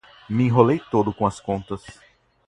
Me enrolei todo com as contas.